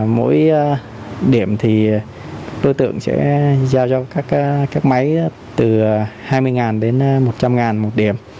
mỗi điểm thì đối tượng sẽ giao cho các máy từ hai mươi đến một trăm linh một điểm